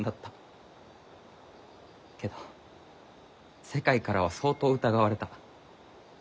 けど世界からは相当疑われた。